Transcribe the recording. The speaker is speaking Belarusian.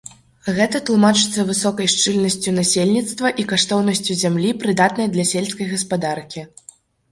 Гэта тлумачыцца высокай шчыльнасцю насельніцтва і каштоўнасцю зямлі, прыдатнай для сельскай гаспадаркі.